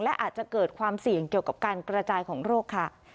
และอาจจะเกิดความเสี่ยงเกี่ยวกับการกระจายของโรคค่ะ